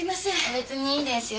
別にいいですよ。